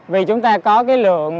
vì chúng ta có cái lượng